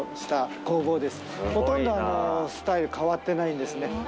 ほとんどスタイル変わってないんですね。